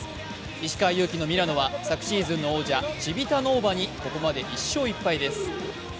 石川祐希のミラノは昨シーズンの王者・チヴィタノーヴァにここまで１勝１敗です。